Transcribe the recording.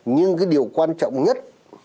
nhưng cái điều quan trọng nhất